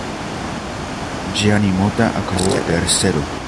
Gianni Motta acabó tercero.